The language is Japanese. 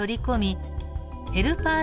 ヘルパー